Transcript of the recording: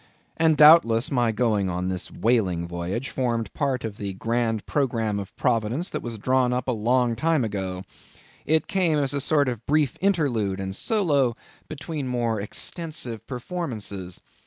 And, doubtless, my going on this whaling voyage, formed part of the grand programme of Providence that was drawn up a long time ago. It came in as a sort of brief interlude and solo between more extensive performances.